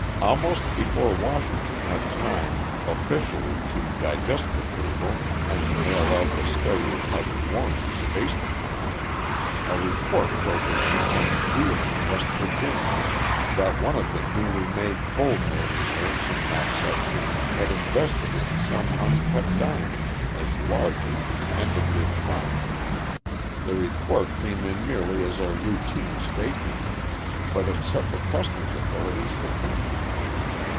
Almost before Washington had time officially to digest the cable and to mail out the stereotyped warnings based upon it, a report filtered in from Wheeling, West Virginia, that one of the newly made coal millionaires in that section had invested in some uncut diamonds as large as the end of your thumb. The report came in merely as a routine statement, but it set the customs authorities to thinking.